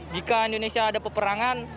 jika indonesia ada peperangan